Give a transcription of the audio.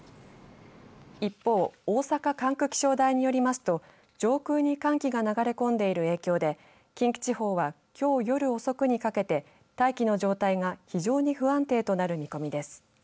一方大阪管区気象台によりますと上空に寒気が流れ込んでいる影響で近畿地方はきょう夜遅くにかけて大気の状態が非常に不安定となる見込みです。